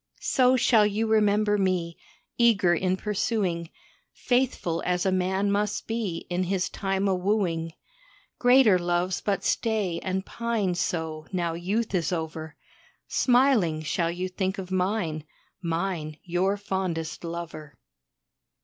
So shall you remember me, eager in pursuing, Faithful as a man must be in his time o' wooing. Greater loves but stay and pine so, now youth is over, Smiling shall you think of mine mine, your fondest lover.